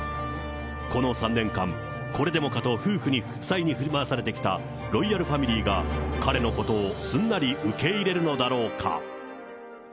この３年間、これでもかと夫妻に振り回され続けてきたロイヤルファミリーが、彼のことをすんなり受け入れるのだろうか。